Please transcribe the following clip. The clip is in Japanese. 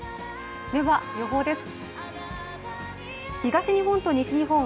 では、予報です。